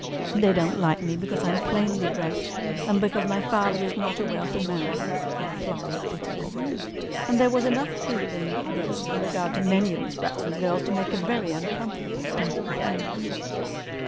"They don't like me because I am plainly dressed and because my father is not a wealthy man," thought Florrie bitterly. And there was enough truth in this in regard to many of Miss Braxton's girls to make a very uncomfortable state of affairs.